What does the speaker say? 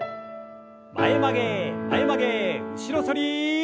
前曲げ前曲げ後ろ反り。